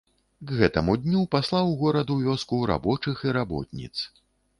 К гэтаму дню паслаў горад у вёску рабочых і работніц.